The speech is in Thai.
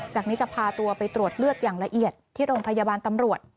จากนี้จะพาตัวไปตรวจเลือดอย่างละเอียดที่โรงพยาบาลตำรวจ